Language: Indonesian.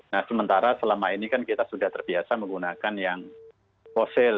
nah sementara selama ini kan kita sudah terbiasa menggunakan yang fosil